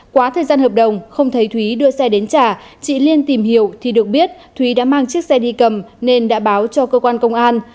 quá thời gian hợp đồng không thấy thúy đưa xe đến trả chị liên tìm hiểu thì được biết thúy đã mang chiếc xe đi cầm nên đã báo cho cơ quan công an